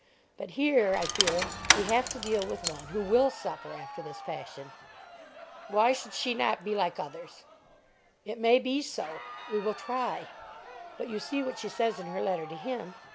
But here, I fear, we have to deal with one who will suffer after this fashion." "Why should she not be like others?" "It may be so. We will try. But you see what she says in her letter to him.